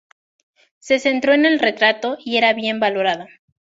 Se centró en el retrato y era bien valorada.